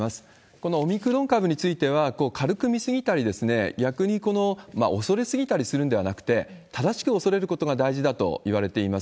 このオミクロン株については、軽く見過ぎたり、逆に恐れすぎたりするんではなくて、正しく恐れることが大事だといわれています。